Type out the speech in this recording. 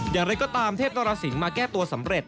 อย่างไรก็ตามเทพนรสิงห์มาแก้ตัวสำเร็จ